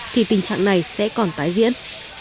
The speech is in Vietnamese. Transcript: thì tình trạng này sẽ còn tái diễn